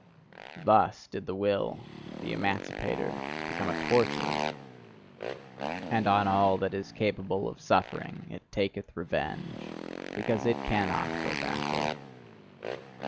Thus did the Will, the emancipator, become a torturer; and on all that is capable of suffering it taketh revenge, because it cannot go backward.